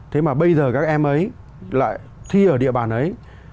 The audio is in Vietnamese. thế mà bây giờ các em ấy lại thi ở địa bàn ấy